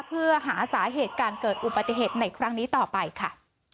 เพื่อหาสาเหตุการเกิดอุบัติเหตุในครั้งนี้ต่อไปค่ะ